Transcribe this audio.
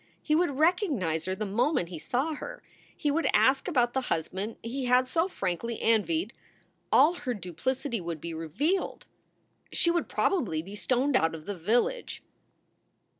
He would recognize her the moment he saw her. He would ask about the husband he had so frankly envied. All her duplicity would be revealed. She would probably be stoned out of the village.